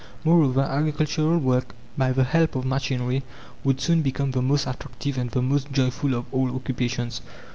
Moreover, agricultural work, by the help of machinery, would soon become the most attractive and the most joyful of all occupations.